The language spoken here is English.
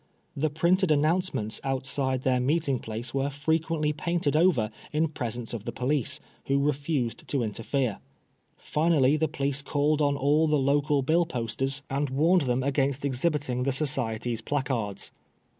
The printed announcements outside their meeting place were frequently painted over in presence of the police, who refused to interfere. Finally the police called on all the local bill posters THE STOBM BBEWING. 25 and warned them against exhibiting the Society's placards.